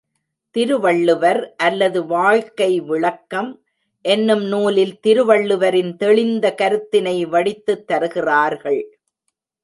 திருவள்ளுவர் அல்லது வாழ்க்கை விளக்கம் என்னும் நூலில் திருவள்ளுவரின் தெளிந்த கருத்தினை வடித்துத் தருகின்றார்கள்.